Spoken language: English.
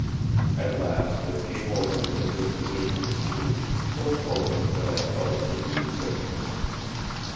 "At last there came over me a disposition of sleep, so potent that I felt it would be resistless.